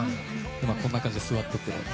こんな感じで座っていて。